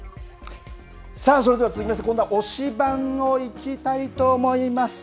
それでは続きまして今度は推しバン！に行きたいと思います。